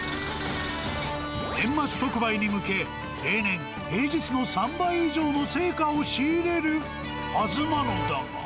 年末特売に向け、例年、平日の３倍以上の青果を仕入れるはずが。